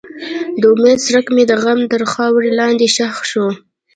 د امید څرک مې د غم تر خاورو لاندې ښخ شو.